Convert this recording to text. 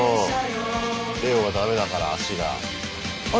レオがダメだから足が。